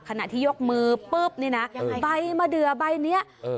ขณะที่ยกมือปุ๊บนี่นะยังไงใบมะเดือใบเนี้ยเออ